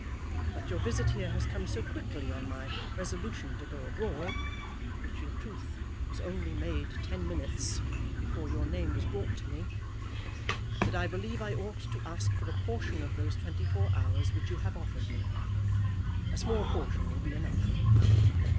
But your visit here has come so quickly on my resolution to go abroad, which, in truth, was only made ten minutes before your name was brought to me, that I believe I ought to ask for a portion of those twenty four hours which you have offered me. A small portion will be enough.